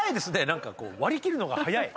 何かこう割り切るのが早い。